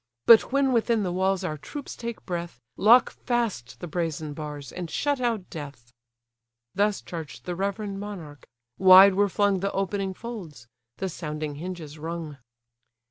But when within the walls our troops take breath, Lock fast the brazen bars, and shut out death." Thus charged the reverend monarch: wide were flung The opening folds; the sounding hinges rung.